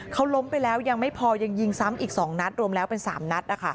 เขาล้มไปแล้วยังไม่พอยังยิงซ้ำอีก๒นัดรวมแล้วเป็น๓นัด